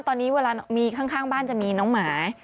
ตอนนี้เวลามีข้างบ้านจะมีน้องหมา